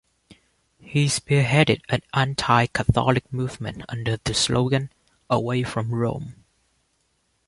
He spearheaded an anti-Catholic movement under the slogan "away from Rome".